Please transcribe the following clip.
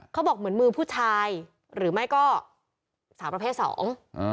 เขาบอกเหมือนมือผู้ชายหรือไม่ก็สาวประเภทสองอ่า